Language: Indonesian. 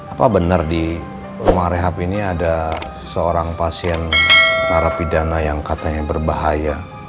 apa benar di rumah rehab ini ada seorang pasien narapidana yang katanya berbahaya